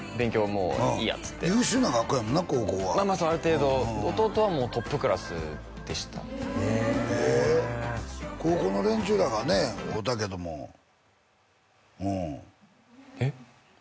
もういいやっつって優秀な学校やもんな高校はまあまあある程度弟はもうトップクラスでしたへえへえ高校の連中らがね会うたけどもうんえっ？